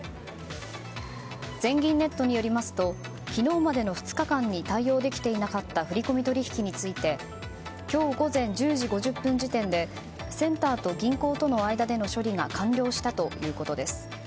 全銀ネットによりますと昨日までの２日間に対応できていなかった振り込み取引について今日午前１０時５０分時点でセンターと銀行との間での処理が完了したということです。